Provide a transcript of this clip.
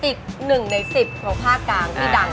ติดหนึ่งในสิบของภาคกลางที่ดัง